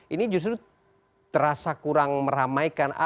ini justru terasa kurang meramaikan